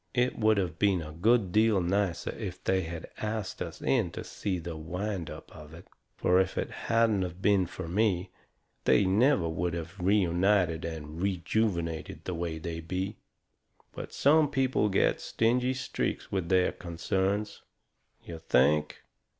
It would of been a good deal nicer if they had ast us in to see the wind up of it. Fur, if it hadn't of been fur me, they never would of been reunited and rejuvenated the way they be. But some people get stingy streaks with their concerns. You think!"